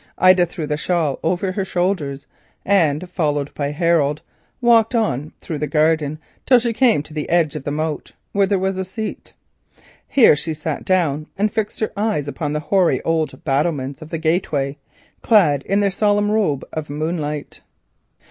Ida threw the shawl over her shoulders and followed by Harold walked on through the garden till she came to the edge of the moat, where there was a seat. Here she sat down and fixed her eyes upon the hoary battlements of the gateway, now clad in a solemn robe of moonlight.